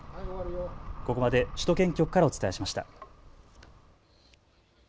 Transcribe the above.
ここまで首都圏局からお伝えしました。